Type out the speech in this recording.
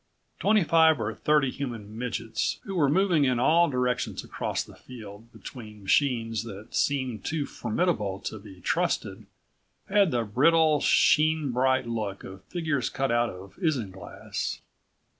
The twenty five or thirty human midgets who were moving in all directions across the field, between machines that seemed too formidable to be trusted had the brittle, sheen bright look of figures cut out of isinglass.